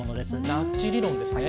ナッジ理論ですね。